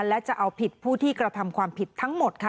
และจะเอาผิดผู้ที่กระทำความผิดทั้งหมดค่ะ